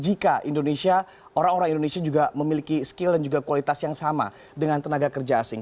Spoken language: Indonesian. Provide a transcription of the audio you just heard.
jika orang orang indonesia juga memiliki skill dan juga kualitas yang sama dengan tenaga kerja asing